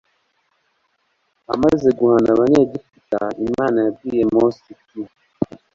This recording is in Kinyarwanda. Imaze guhana Abanyegiputa, Imana yabwiye Mose iti,